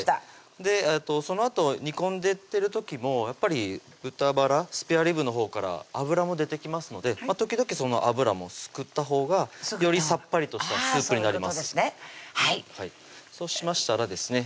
そのあと煮込んでってる時もやっぱり豚バラスペアリブのほうから脂も出てきますので時々その脂もすくったほうがよりさっぱりとしたスープになりますそうしましたらですね